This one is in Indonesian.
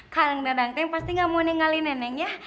kang dadang teng pasti gak mau ninggalin nenek ya